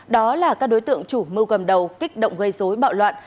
đó là các đối tượng chủ mưu gầm đầu kích động gây dối bạo loạn